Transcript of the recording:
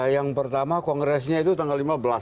yang pertama kongresnya itu tanggal lima belas